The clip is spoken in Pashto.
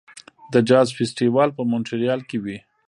د جاز فستیوال په مونټریال کې وي.